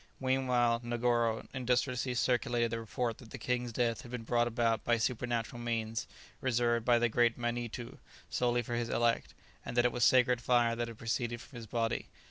Meanwhile Negoro industriously circulated the report that the king's death had been brought about by supernatural means reserved by the great Manitoo solely for his elect, and that it was sacred fire that had proceeded from his body.